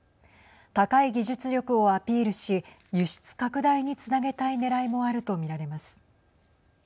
高い技術力をアピールし輸出拡大につなげたいねらいもあると見られます。